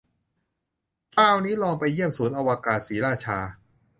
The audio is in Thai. คราวนี้ลองไปเยี่ยมศูนย์อวกาศศรีราชา